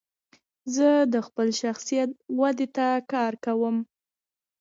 زه د خپل شخصیت ودي ته کار کوم.